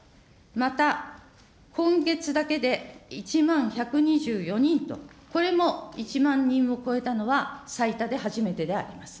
また今月だけで１万１２４人と、これも１万人を超えたのは最多で初めてであります。